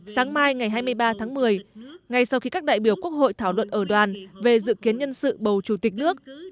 sáng mai ngày hai mươi ba tháng một mươi ngay sau khi các đại biểu quốc hội thảo luận ở đoàn về dự kiến nhân sự bầu chủ tịch nước